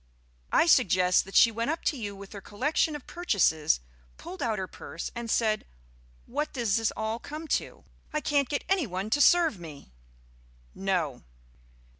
I suggest that she went up to you with her collection of purchases, pulled out her purse, and said, 'What does all this come to? I can't get any one to serve me.'" "No."